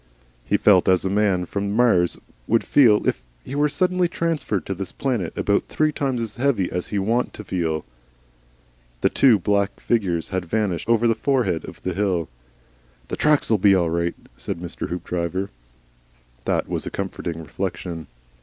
He felt as a man from Mars would feel if he were suddenly transferred to this planet, about three times as heavy as he was wont to feel. The two little black figures had vanished over the forehead of the hill. "The tracks'll be all right," said Mr. Hoopdriver. That was a comforting reflection.